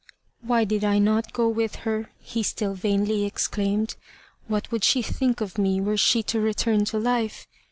"Why did I not go with her?" he still vainly exclaimed. "What would she think of me were she to return to life?"